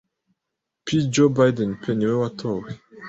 pe Joe Biden pe niwe watowe